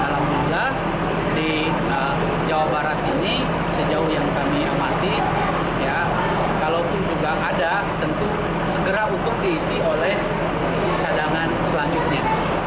dan alhamdulillah di jawa barat ini sejauh yang kami amati ya kalau pun juga ada tentu segera untuk diisi oleh cadangan selanjutnya